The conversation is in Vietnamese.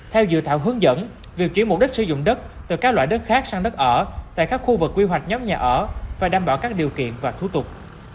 theo dự thảo hướng dẫn việc chuyển mục đích sử dụng đất từ các loại đất khác sang đất ở tại các khu vực quy hoạch nhóm nhà ở phải đảm bảo các điều kiện và thú tục